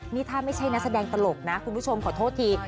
นี่ถ้าไม่ใช่นักแสดงตลกนะคุณผู้ชมขอโทษที